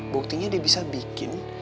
buktinya dia bisa bikin